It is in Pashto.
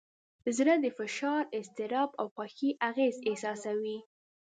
زړه د فشار، اضطراب، او خوښۍ اغېز احساسوي.